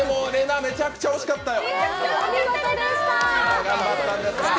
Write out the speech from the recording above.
めちゃくちゃ惜しかったよ。